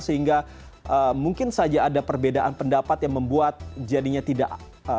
sehingga mungkin saja ada perbedaan pendapat yang membuat jadinya tidak